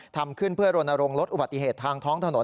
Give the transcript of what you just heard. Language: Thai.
ทำขึ้นเพื่อรณรงค์ลดอุบัติเหตุทางท้องถนน